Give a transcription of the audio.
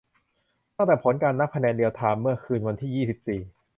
ตั้งแต่ผลการนับคะแนนเรียลไทม์ เมื่อคืนวันที่ ยี่สิบสี่